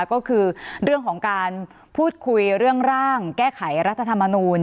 ก็คือเรื่องของการพูดคุยเรื่องร่างแก้ไขรัฐธรรมนูล